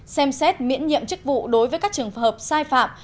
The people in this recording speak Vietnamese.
xem xét miễn nhiệm chức vụ đối với các trường hợp sai phạm